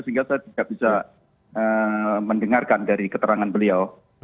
sehingga saya tidak bisa mendengarkan dari keterangan beliau